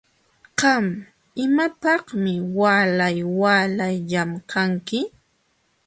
Qam ¿imapaqmi waalay waalay llamkanki?